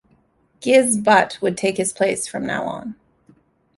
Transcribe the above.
Gizz Butt would take his place from now on.